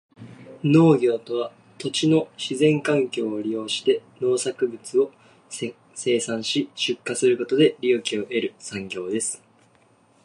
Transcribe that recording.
農業とは、土地の自然環境を利用して農産物を生産し、出荷することで利益を得る産業です。